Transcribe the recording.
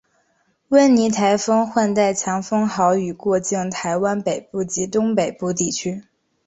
温妮台风挟带强风豪雨过境台湾北部及东北部地区。